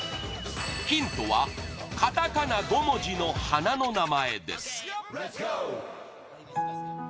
ヒントはカタカナ５文字の花の名前です